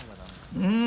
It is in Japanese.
うん！